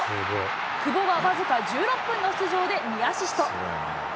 久保は僅か１６分の出場で２アシスト。